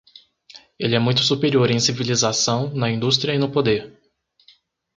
Ele é muito superior em civilização, na indústria e no poder.